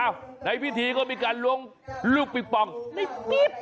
อ้าวในพิธีก็มีการลวงลูกปิ๊บปองในปี๊บ